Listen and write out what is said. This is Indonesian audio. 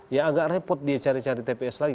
ya agak repot dia cari cari tps lagi